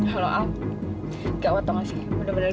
halo al gawat tau gak sih bener bener gawat